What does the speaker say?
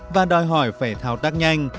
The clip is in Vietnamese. và đòi hỏi phải thao tác nhanh